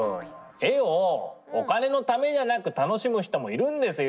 絵をお金のためじゃなく楽しむ人もいるんですよ。